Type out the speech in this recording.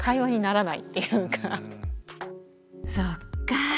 そっかぁ。